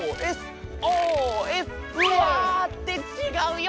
うわ！ってちがうよ！